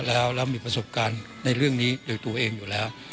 แล้วมีประสบการณ์ในเรื่องนี้โดยตัวเองอยู่แล้ว